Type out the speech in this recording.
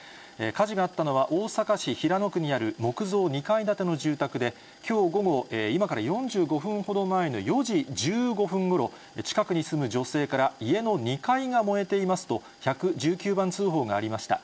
火事があったのは、大阪市平野区にある木造２階建ての住宅で、きょう午後、今から４５分ほど前の４時１５分ごろ、近くに住む女性から、家の２階が燃えていますと、１１９番通報がありました。